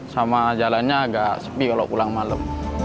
sama jalannya agak sepi kalau pulang malam